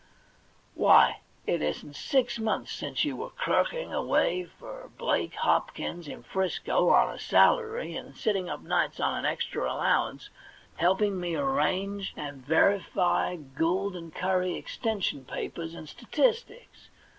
Why, it isn't six months since you were clerking away for Blake Hopkins in Frisco on a salary, and sitting up nights on an ex tra allowance, helping me arrange and verify the 22 THE £1,000,000 BANK NOTE Gould and Curry Extension papers and statistics.